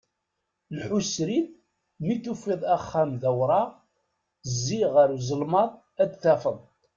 Lḥu srid, mi tufiḍ axxam d awraɣ zzi ɣer uzelmaḍ, ad t-tafeḍ.